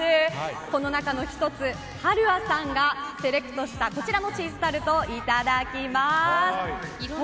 この中の１つＨＡＲＵＡさんがセレクトしたこちらのチーズタルトをいただきます。